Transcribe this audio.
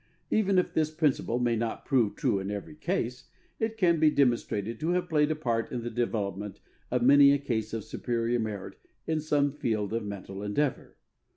Even if this principle may not prove true in every case, it can be demonstrated to have played a part in the development of many a case of superior merit in some field of mental endeavour.